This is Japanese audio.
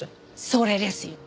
それですよ！